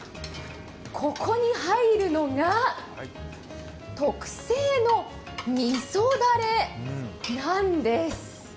ここに入るのが特製のみそだれなんです。